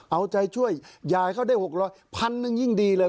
เอาใจช่วยอย่าเข้าได้๖๐๐บาทพันธุ์นึงยิ่งดีเลย